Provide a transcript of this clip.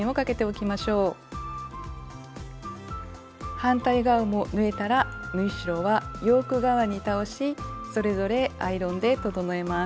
反対側も縫えたら縫い代はヨーク側に倒しそれぞれアイロンで整えます。